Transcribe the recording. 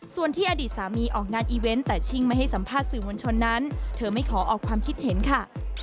ส่วนที่อดีตสามีออกงานอีเวนต์แต่ชิ่งไม่ให้สัมภาษณ์สื่อมวลชนนั้นเธอไม่ขอออกความคิดเห็นค่ะ